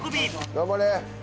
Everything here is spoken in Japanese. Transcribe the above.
頑張れ。